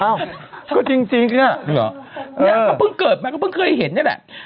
อ้าวก็จริงจริงเนี้ยหรอเนี้ยเขาเพิ่งเกิดมาเขาเพิ่งเคยเห็นเนี้ยแหละ